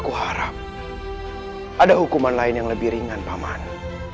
yang pertama sudah pernah mengulung pana dia